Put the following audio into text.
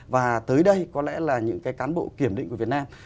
và tới đây có lẽ là những cái cán bộ kiểm định của việt nam